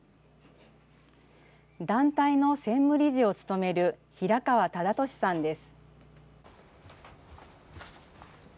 団体の専務理事を務める平川忠敏さんです。